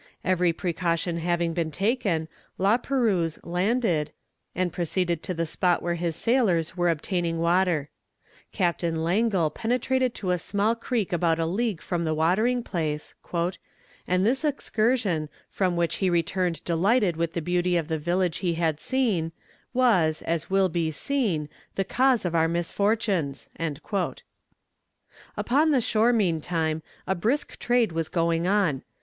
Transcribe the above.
Every precaution having been taken, La Perouse landed, and proceeded to the spot where his sailors were obtaining water. Captain Langle penetrated to a small creek about a league from the watering place, "and this excursion, from which he returned delighted with the beauty of the village he had seen, was, as will be seen, the cause of our misfortunes." Upon the shore, meantime, a brisk trade was going on.